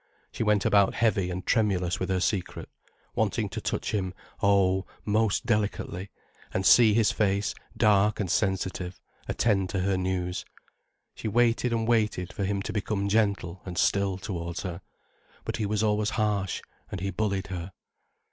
She went about heavy and tremulous with her secret, wanting to touch him, oh, most delicately, and see his face, dark and sensitive, attend to her news. She waited and waited for him to become gentle and still towards her. But he was always harsh and he bullied her.